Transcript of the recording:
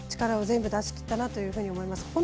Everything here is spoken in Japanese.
力を全部出しきったなと思います。